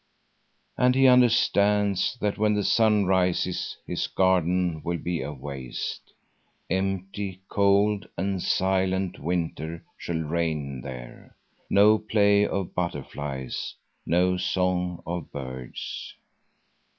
And he understands that when the sun rises his garden will be a waste. Empty, cold, and silent winter shall reign there; no play of butterflies; no song of birds.